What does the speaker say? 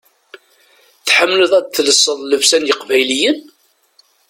Tḥemmleḍ ad telseḍ llebsa n yeqbayliyen?